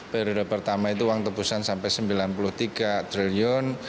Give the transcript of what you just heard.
periode pertama itu uang tebusan sampai sembilan puluh tiga triliun